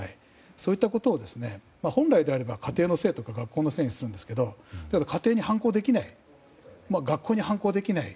そういったことを本来なら家庭のせいとか学校のせいにするんですが家庭に反抗できない学校に反抗できない。